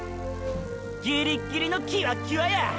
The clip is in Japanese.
ギリッギリのキワッキワや！！